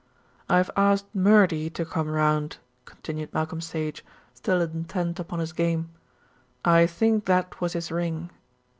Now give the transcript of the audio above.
"I have asked Murdy to come round," continued Malcolm Sage, still intent upon his game. "I think that was his ring."